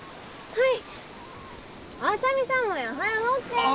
はい。